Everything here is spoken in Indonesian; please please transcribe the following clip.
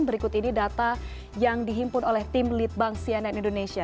berikut ini data yang dihimpun oleh tim litbang cnn indonesia